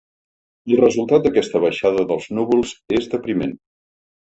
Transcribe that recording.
El resultat d'aquesta baixada dels núvols és depriment.